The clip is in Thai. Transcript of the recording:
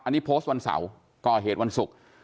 อันนี้โพสต์วันเสาร์ก่อเหตุวันศุกร์